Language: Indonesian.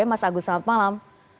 mas agus selamat malam